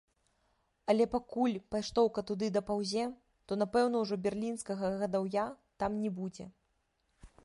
Але пакуль паштоўка туды дапаўзе, то напэўна ўжо берлінскага гадаўя там не будзе.